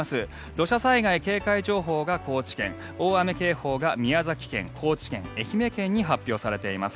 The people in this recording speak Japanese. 土砂災害警戒情報が高知県大雨警報が宮崎県、高知県愛媛県に発表されています。